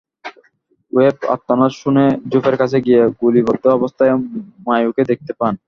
Web আর্তনাদ শুনে ঝোপের কাছে গিয়ে গুলিবিদ্ধ অবস্থায় মায়োকে দেখতে পান।